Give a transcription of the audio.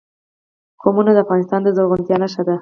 قومونه د افغانستان د زرغونتیا نښه ده.